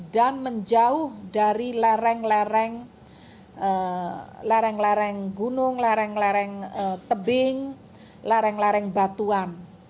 dan menjauh dari lereng lereng gunung tebing batuan